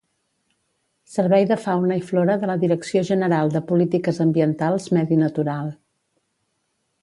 Servei de Fauna i Flora de la Direcció General de Polítiques Ambientals Medi Natural